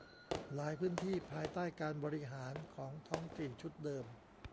หลายพื้นที่ภายใต้การบริหารของท้องถิ่นชุดเดิม